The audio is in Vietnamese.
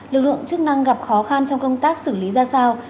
lực lượng chức năng gặp khó khăn trong công tác xử lý ra sao